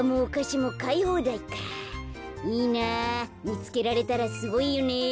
みつけられたらすごいよねえ。